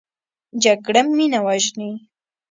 جګړه مینه وژني